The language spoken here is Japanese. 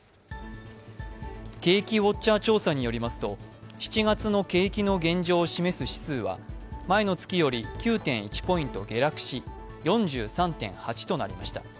景気ウォッチャー調査によりますと７月の景気の現状を示す指数は前の月より９．１ポイント下落し４３．８となりました。